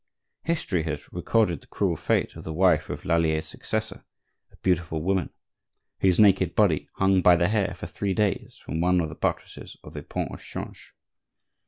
History has recorded the cruel fate of the wife of Lallier's successor, a beautiful woman, whose naked body hung by the hair for three days from one of the buttresses of the Pont au Change.